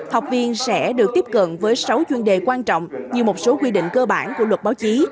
học viên sẽ được tiếp cận với sáu chuyên đề quan trọng như một số quy định cơ bản của luật báo chí